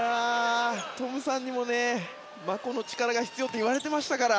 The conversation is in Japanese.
トムさんにもマコの力が必要だと言われていましたから。